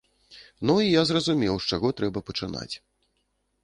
Ну, і я зразумеў, з чаго трэба пачынаць.